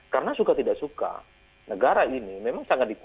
karena suka tidak suka negara ini memang sangat dipercaya